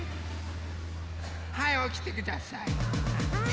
はいおきてください。